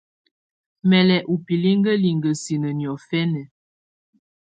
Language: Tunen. Mɛ́ lɛ́ ù bilikǝ́likǝ́ ɔ́ sinǝ niɔ̀fɛna.